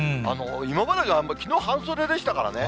今までが、きのう、半袖でしたからね。